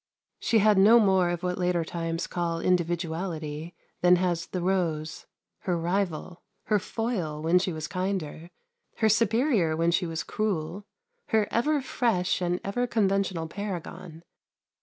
She had no more of what later times call individuality than has the rose, her rival, her foil when she was kinder, her superior when she was cruel, her ever fresh and ever conventional paragon.